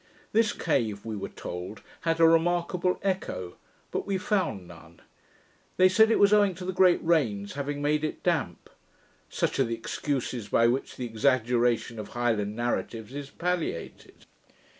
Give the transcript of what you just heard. This cave, we were told, had a remarkable echo; but we found none. They said it was owing to the great rains having made it damp. Such are the excuses by which the exaggeration of Highland narratives is palliated.